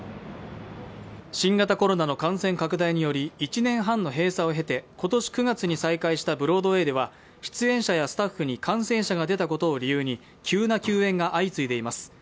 新型コロナの感染拡大により１年半の閉鎖を経て今年９月に再開したブロードウェイでは出演者やスタッフに感染者が出たことを理由に急な休演が相次いでいます。